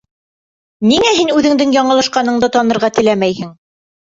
Ниңә һин үҙеңдең яңылышҡаныңды танырға теләмәйһең?